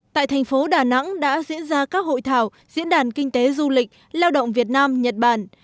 tại thành phố đà nẵng đã diễn ra các hội thảo diễn đàn kinh tế du lịch lao động việt nam nhật bản